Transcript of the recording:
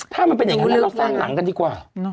ถ้ามันเป็นอย่างนั้นแล้วเราสร้างหนังกันดีกว่า